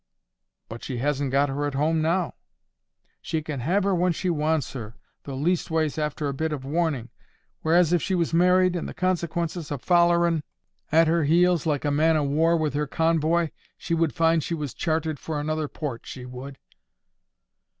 "But she hasn't got her at home now." "She can have her when she wants her, though—leastways after a bit of warning. Whereas, if she was married, and the consequences a follerin' at her heels, like a man o' war with her convoy, she would find she was chartered for another port, she would."